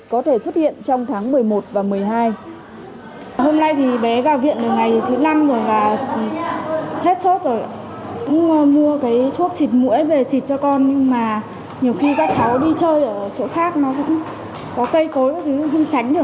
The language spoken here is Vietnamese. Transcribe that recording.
không tránh được